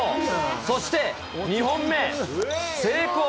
そして２本目、成功。